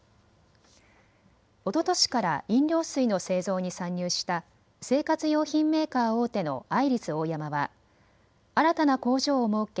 おととしから飲料水の製造に参入した生活用品メーカー大手のアイリスオーヤマは新たな工場を設け